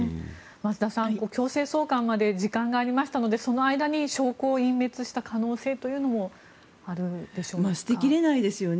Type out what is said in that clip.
増田さん、強制送還まで時間がありましたのでその間に証拠を隠滅した可能性というのも捨て切れないですよね